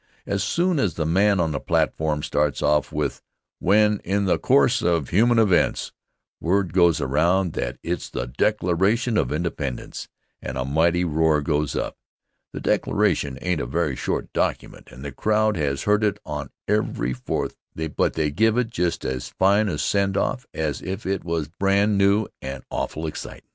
As soon as the man on the platform starts off with "when, in the course of human events," word goes around that it's the Declaration of Independence, and a mighty roar goes up. The Declaration ain't a very short document and the crowd has heard it on every Fourth but they give it just as fine a send off as if it was brand new and awful excitin'.